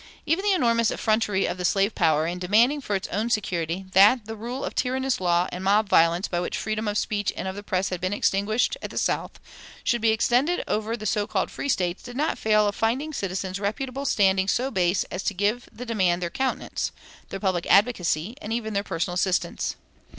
Even the enormous effrontery of the slave power in demanding for its own security that the rule of tyrannous law and mob violence by which freedom of speech and of the press had been extinguished at the South should be extended over the so called free States did not fail of finding citizens of reputable standing so base as to give the demand their countenance, their public advocacy, and even their personal assistance.